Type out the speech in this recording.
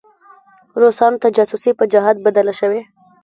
روسانو ته جاسوسي په جهاد بدله شوې.